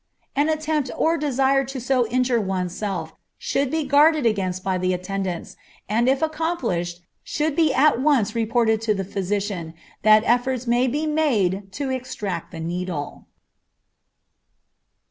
An attempt or desire to so injure one's self should be guarded against by the attendants, and if accomplished should be at once reported to the physician, that efforts may be made to extract the needle.